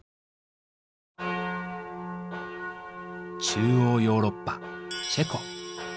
中欧ヨーロッパチェコ。